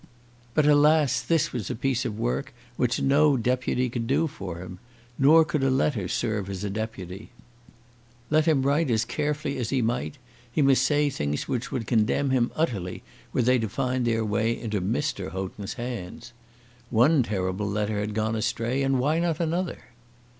But, alas! this was a piece of work which no deputy could do for him. Nor could a letter serve as a deputy. Let him write as carefully as he might, he must say things which would condemn him utterly were they to find their way into Mr. Houghton's hands. One terrible letter had gone astray, and why not another?